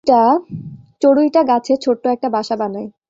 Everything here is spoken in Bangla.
চড়ুইটা গাছে ছোট্ট একটা বাসা বানায়।